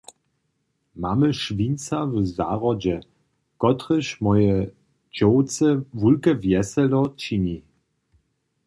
Mamy šwinca w zahrodźe, kotryž mojej dźowce wulke wjeselo čini.